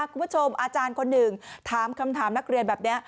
คุณผู้ชมอาจารย์คนหนึ่งถามคำถามนักเรียนแบบนี้